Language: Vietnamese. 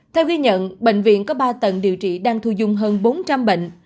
theo ghi nhận bệnh viện có ba tầng điều trị đang thu dung hơn bốn trăm linh bệnh